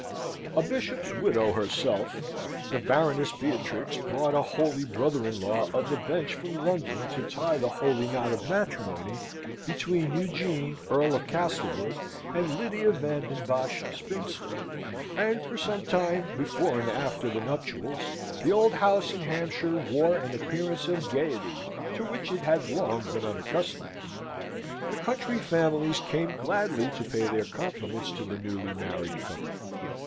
A bishop's widow herself, the Baroness Beatrix brought a holy brother in law of the bench from London to tie the holy knot of matrimony between Eugene Earl of Castlewood and Lydia Van den Bosch, spinster; and for some time before and after the nuptials the old house in Hampshire wore an appearance of gaiety to which it had long been unaccustomed. The country families came gladly to pay their compliments to the newly married couple.